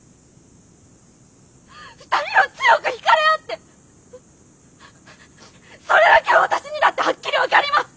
２人は強く惹かれ合ってそれだけは私にだってはっきり分かります！